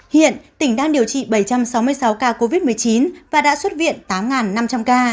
hiện tỉnh đang điều trị bảy trăm sáu mươi sáu ca covid một mươi chín và đã xuất viện tám ca